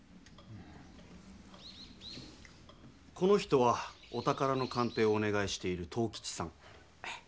この人はお宝の鑑定をおねがいしている藤吉さん。